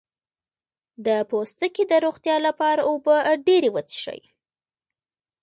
د پوستکي د روغتیا لپاره اوبه ډیرې وڅښئ